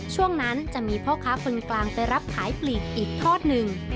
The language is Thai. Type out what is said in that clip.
ช่วงนั้นจะมีพ่อค้าคนกลางไปรับขายปลีกอีกทอดหนึ่ง